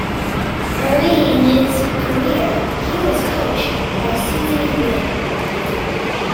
Early in his career, he was coached by Susie Wynne.